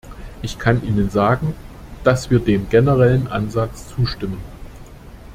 Ich kann Ihnen sagen, dass wir dem generellen Ansatz zustimmen.